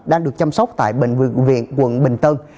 đang được chăm sóc tại bệnh viện viện quận bình tân